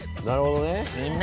なるほどね。